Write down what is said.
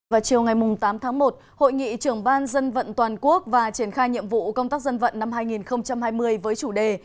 vào chiều ngày tám tháng một hội nghị trưởng ban dân vận toàn quốc và triển khai nhiệm vụ công tác dân vận năm hai nghìn hai mươi với chủ đề